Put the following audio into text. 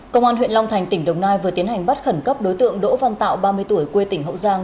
công an huyện long thành tỉnh đồng nai vừa tiến hành bắt khẩn cấp đối tượng đỗ văn tạo ba mươi tuổi quê tỉnh hậu giang